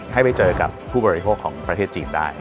ให้ไปเจอกับผู้บริโภคของประเทศจีนได้